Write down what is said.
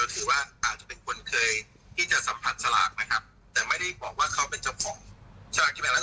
ถือสลากกินแบบรัฐบาล